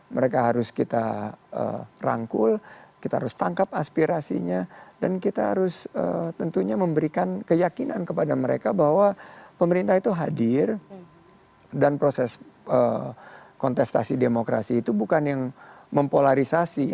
mereka harus kita rangkul kita harus tangkap aspirasinya dan kita harus tentunya memberikan keyakinan kepada mereka bahwa pemerintah itu hadir dan proses kontestasi demokrasi itu bukan yang mempolarisasi